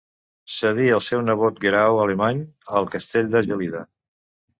Cedí al seu nebot Guerau Alemany el Castell de Gelida.